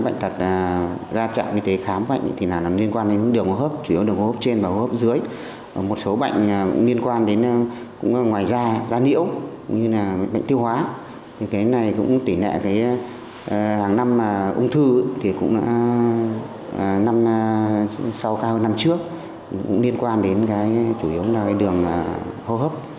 năm sau ca hồi năm trước cũng liên quan đến cái chủ yếu là cái đường hô hấp